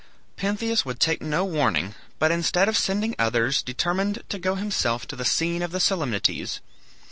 Pentheus would take no warning, but instead of sending others, determined to go himself to the scene of the solemnities.